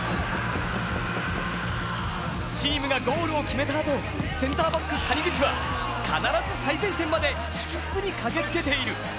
チームがゴールを決めたあとセンターバック・谷口は必ず最前線まで祝福に駆けつけている。